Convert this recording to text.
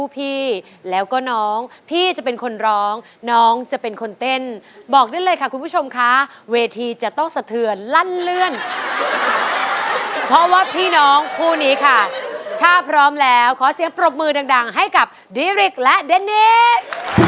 เพราะว่าพี่น้องคู่นี้ค่ะถ้าพร้อมแล้วขอเสียงปรบมือดังให้กับดิริกและเดนิส